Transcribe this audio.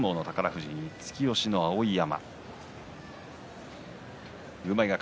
富士に突き押しの碧山。